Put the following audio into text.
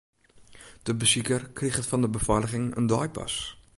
De besiker kriget fan de befeiliging in deipas.